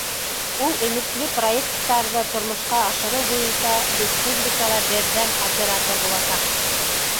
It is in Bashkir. Ул өмөтлө проекттарҙы тормошҡа ашырыу буйынса республикала берҙәм оператор буласаҡ.